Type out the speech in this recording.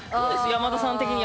山田さん的に。